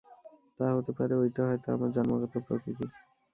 তা হতে পারে– ঐটে হয়তো আমার জন্মগত প্রকৃতি।